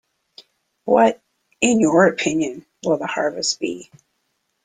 What, in your opinion, will the harvest be?